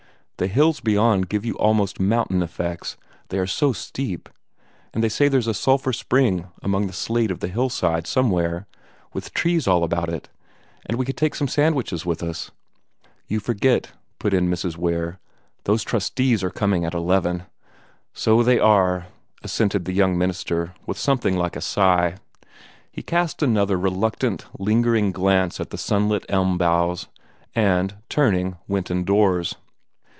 The hills beyond give you almost mountain effects, they are so steep; and they say there's a sulphur spring among the slate on the hill side, somewhere, with trees all about it; and we could take some sandwiches with us " "You forget," put in Mrs. Ware, "those trustees are coming at eleven." "So they are!" assented the young minister, with something like a sigh. He cast another reluctant, lingering glance at the sunlit elm boughs, and, turning, went indoors.